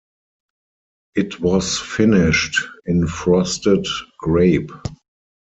It was finished in frosted grape.